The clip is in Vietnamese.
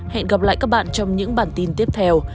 hẹn gặp lại các bạn trong những bản tin tiếp theo